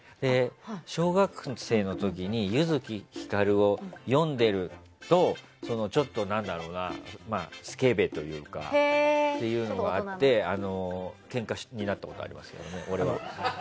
小学生の時に弓月光を読んでるとスケベというのがあってけんかになったことありますけどね、俺は。